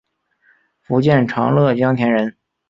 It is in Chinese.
福建长乐江田人。